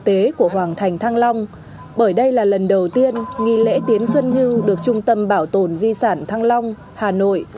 tế của hoàng thành thăng long bởi đây là lần đầu tiên nghi lễ tiến xuân hưu được trung tâm bảo tồn di sản thăng long hà nội